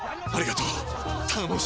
ありがとう！